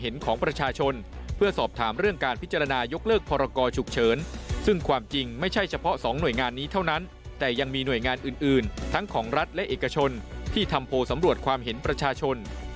และเอกชนที่ทำโพสำรวจความเห็นประชาชน